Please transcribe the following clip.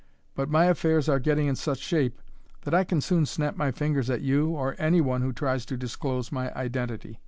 But my affairs are getting in such shape that I can soon snap my fingers at you or any one who tries to disclose my identity.